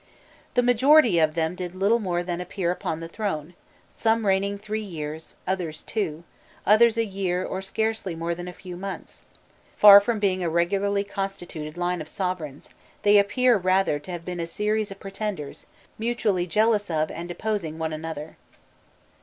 The majority of them did little more than appear upon the throne, some reigning three years, others two, others a year or scarcely more than a few months: far from being a regularly constituted line of sovereigns, they appear rather to have been a series of Pretenders, mutually jealous of and deposing one another.